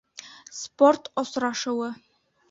Спорт осрашыуы